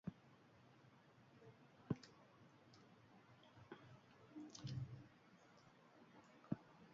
Esaldi hauek tresna batekin bakartu beharko ditugu.